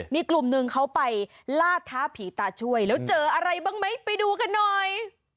มีกลุ่มหนึ่งเขาไปลาดท้าผีตาช่วยแล้วเจออะไรบ้างไหมไปดูกันหน่อย